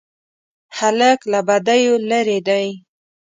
هلک له بدیو لیرې دی.